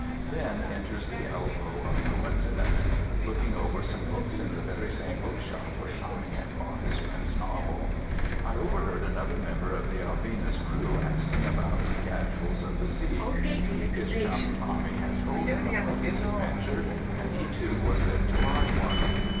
Then enters the elbow of coincidence. Looking over some books in the very same bookshop where Tommy had bought his friend's novel, I overheard another member of the Alvina's crew asking about "Casuals of the Sea." His chum Tommy had told him about his adventure, and he, too, was there to buy one.